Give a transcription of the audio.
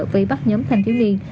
vì bắt nhóm thanh thiếu niên